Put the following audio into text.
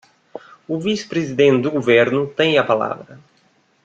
O vice-presidente do governo tem a palavra.